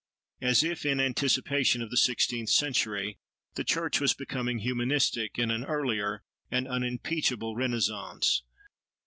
As if in anticipation of the sixteenth century, the church was becoming "humanistic," in an earlier, and unimpeachable Renaissance.